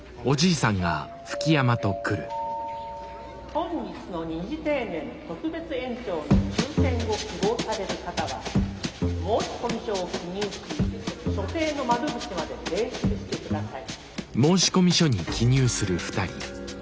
「本日の二次定年特別延長の抽選を希望される方は申込書を記入し所定の窓口まで提出して下さい」。